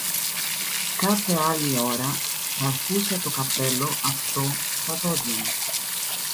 Κάθε άλλη ώρα θ' αρπούσα το καπέλο αυτό στα δόντια μου